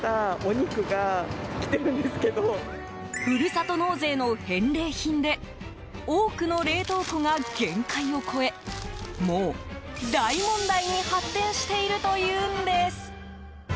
ふるさと納税の返礼品で多くの冷凍庫が限界を超えもう大問題に発展しているというんです。